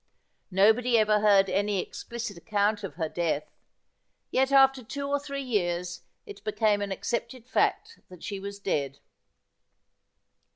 Nobody ever heard any explicit account of her death ; yet after two or three years it became an accepted fact that she was dead.